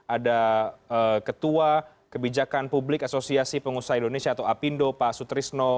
ada ketua kebijakan publik asosiasi pengusaha indonesia atau apindo pak sutrisno